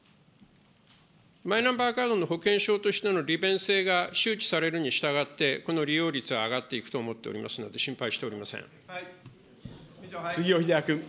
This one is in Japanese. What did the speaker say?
マイナンバーカードの保険証としての利便性が周知されるにしたがって、この利用率は上がっていくと思っておりますので、心配杉尾秀哉君。